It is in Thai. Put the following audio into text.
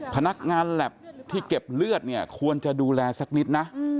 พนักงานหลักฯที่เก็บเลือดควรจะดูแลซะนิดนะ